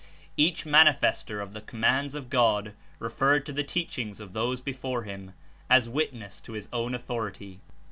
Each manlfestor of the com mands of God referred to the teachings of those be fore him as witness to his own authority.